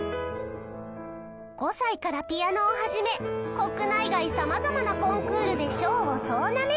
５歳からピアノを始め国内外様々なコンクールで賞を総なめ。